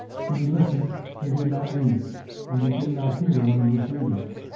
When he listened, he did not read, and he did not hear when he was reading.